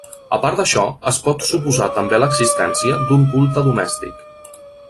A part d'això, es pot suposar també l'existència d'un culte domèstic.